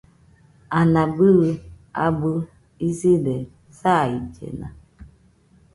Ana bɨi abɨ iside saillena.